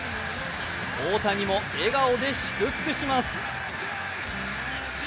大谷も笑顔で祝福します。